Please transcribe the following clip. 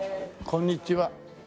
こんにちは。